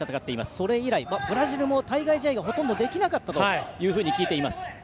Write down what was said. それ以来ブラジルも対外試合がほとんどできなかったと聞いています。